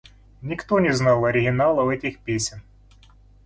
Никто не знал оригиналов этих песен.